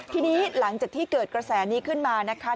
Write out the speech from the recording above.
ทีนี้หลังจากที่เกิดกระแสนี้ขึ้นมานะคะ